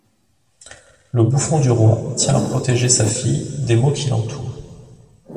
Le bouffon du roi tient à protéger sa fille des maux qui l'entourent.